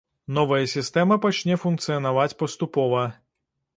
Новая сістэма пачне функцыянаваць паступова.